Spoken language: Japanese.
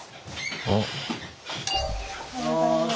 おはようございます。